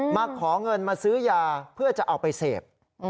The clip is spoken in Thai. มาขอเงินมาซื้อยาเพื่อจะเอาไปเสพ